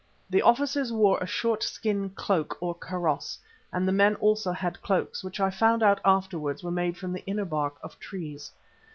The officers wore a short skin cloak or kaross, and the men also had cloaks, which I found out afterwards were made from the inner bark of trees.